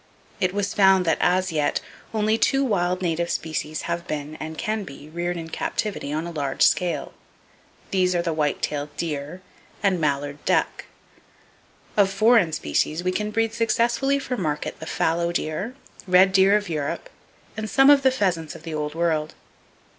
It was found that as yet only two wild native species have been, and can be, reared in captivity on a large scale. These are the white tailed deer and mallard duck. Of foreign species we can breed successfully for market the fallow deer, red deer of Europe and some of the pheasants of the old world.